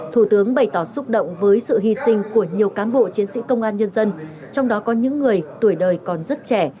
thủ tướng bày tỏ xúc động với sự hy sinh của nhiều cán bộ chiến sĩ công an nhân dân trong đó có những người tuổi đời còn rất trẻ